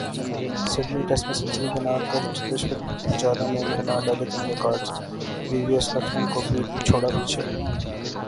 Sydney test میں century بناکر چتیشور پجارا نے بناڈالے کئی records, V V S Laxman کو بھی چھوڑا پیچھے